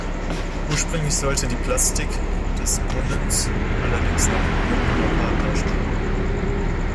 Ursprünglich sollte die Plastik des Brunnens allerdings Napoleon Bonaparte darstellen.